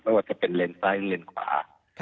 ไม่ว่าจะเป็นแรนซ้ายหรือแรนขวา